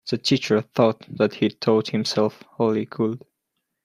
The teacher thought that he'd taught himself all he could.